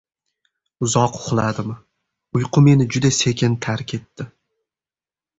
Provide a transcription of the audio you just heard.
Uzoq uxladim, uyqu meni juda sekin tark etdi.